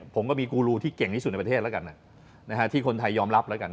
ผมก็มีกูรูที่เก่งที่สุดในประเทศแล้วกันที่คนไทยยอมรับแล้วกัน